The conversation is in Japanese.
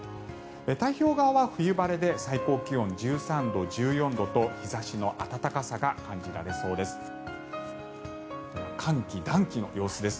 太平洋側は冬晴れで最高気温１３度、１４度と日差しの暖かさが感じられそうです。